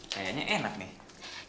kayaknya enak nih